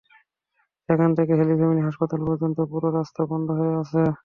সেখান থেকে holy family হাসপাতাল পর্যন্ত পুরো রাস্তা বন্ধ হয়ে আছে।